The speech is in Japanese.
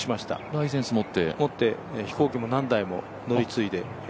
ライセンスも持って飛行機も難題も乗り継いで。